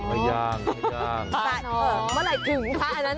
เมื่อไหร่กูทั้งไปเดินจงกมนะฮะอย่างนั้น